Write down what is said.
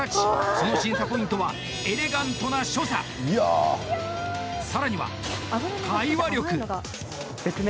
その審査ポイントはエレガントな所作さらには会話力。